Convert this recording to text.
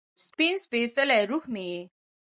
سپین سپيڅلې روح مې یې